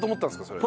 それ。